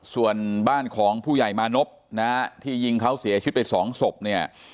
ส่วนบ้านของผู้ใหญ่มานพนะฮะที่ยิงเขาเสียชีวิตไปสองศพเนี่ย